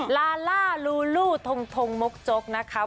ลาล่าลูลูทงทงมกจกนะคะ